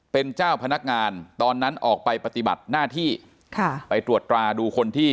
เป็นเจ้าพนักงานตอนนั้นออกไปปฏิบัติหน้าที่ค่ะไปตรวจตราดูคนที่